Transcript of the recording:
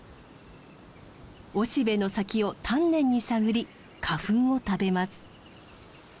雄しべの先を丹念に探り花粉を食べます。